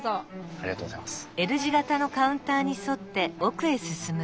ありがとうございます。